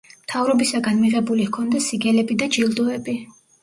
მთავრობისაგან მიღებული ჰქონდა სიგელები და ჯილდოები.